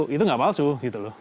itu gak palsu gitu loh